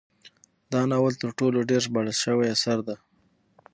دا ناول تر ټولو ډیر ژباړل شوی اثر دی.